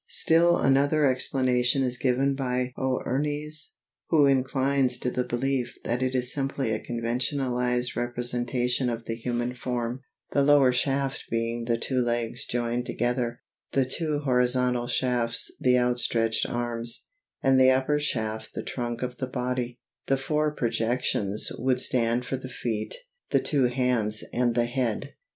Still another explanation is given by Hoernes, who inclines to the belief that it is simply a conventionalized representation of the human form, the lower shaft being the two legs joined together, the two horizontal shafts the outstretched arms, and the upper shaft the trunk of the body; the four projections would stand for the feet, the two hands and the head.